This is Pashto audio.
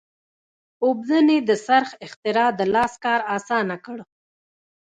اوبدنې د څرخ اختراع د لاس کار اسانه کړ.